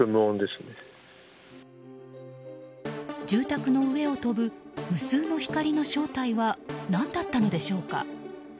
住宅の上を飛ぶ無数の光の正体は何だったのでしょうか。